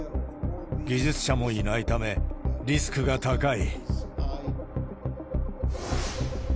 技術者もいないため、リスクが高い。